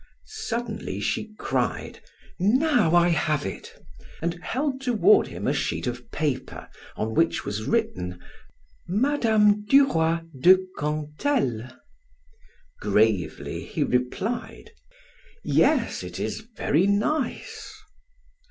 Suddenly she cried: "Now I have it," and held toward him a sheet of paper on which was written: "Mme. Duroy de Cantel." Gravely he replied: "Yes, it is very nice."